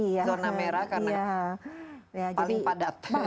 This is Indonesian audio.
zona merah karena